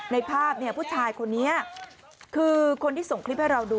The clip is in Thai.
ในภาพผู้ชายคนนี้คือคนที่ส่งคลิปให้เราดู